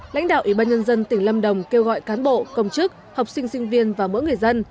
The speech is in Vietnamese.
lãnh đạo ủy ban nhân dân tỉnh lâm đồng kêu gọi cán bộ công chức học sinh sinh viên và mỗi người dân